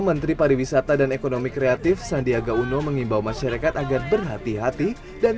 menteri pariwisata dan ekonomi kreatif sandiaga uno mengimbau masyarakat agar berhati hati dan